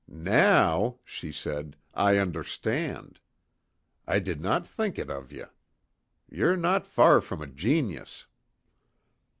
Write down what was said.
"Now," she said, "I understand. I did not think it of ye. Ye're no far from a genius."